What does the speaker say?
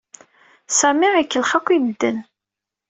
Sami ikellex akk i medden.